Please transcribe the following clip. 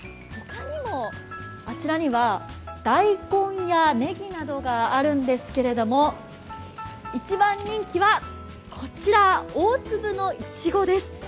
ほかにも、あちらには大根やねぎなどがあるんですけれども、一番人気は大粒のいちごです。